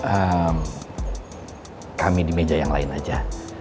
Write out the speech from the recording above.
eh kami di meja yang lain aja